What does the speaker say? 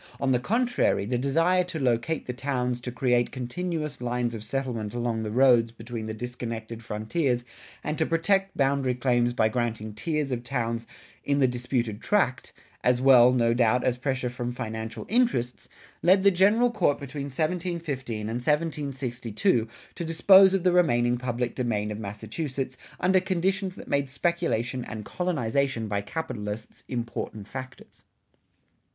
On the contrary, the desire to locate towns to create continuous lines of settlement along the roads between the disconnected frontiers and to protect boundary claims by granting tiers of towns in the disputed tract, as well, no doubt, as pressure from financial interests, led the General Court between 1715 and 1762 to dispose of the remaining public domain of Massachusetts under conditions that made speculation and colonization by capitalists important factors.